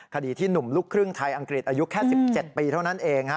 คดีที่หนุ่มลูกครึ่งไทยอังกฤษอายุแค่๑๗ปีเท่านั้นเอง